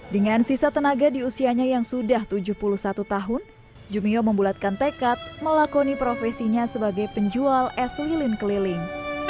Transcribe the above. dengan sisa tenaga di usianya yang sudah tujuh puluh satu tahun jumio membulatkan tekad melakoni profesinya sebagai penjual es lilin keliling